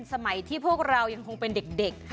สมัยที่พวกเรายังคงเป็นเด็ก